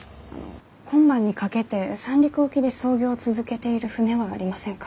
今晩にかけて三陸沖で操業を続けている船はありませんか？